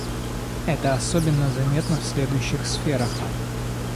Это особенно заметно в следующих сферах.